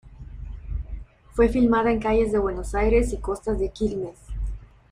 Fue filmada en calles de Buenos Aires y costas de Quilmes.